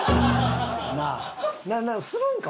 なあするんか？